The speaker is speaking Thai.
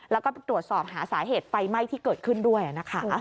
แล้วก็ตรวจสอบหาสาเหตุไฟไหม้ที่เกิดขึ้นด้วยนะคะ